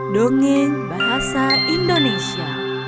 dongeng bahasa indonesia